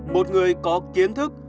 một người có kiến thức